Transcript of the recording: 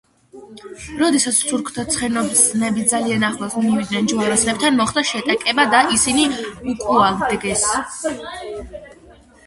როდესაც თურქთა ცხენოსნები ძალიან ახლოს მივიდნენ ჯვაროსნებთან, მოხდა შეტაკება და ისინი უკუაგდეს.